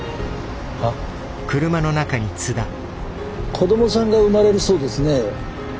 子どもさんが生まれるそうですね。